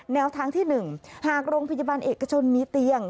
แนวทางที่๑หากโรงพยาบาลเอกชนมีเตียง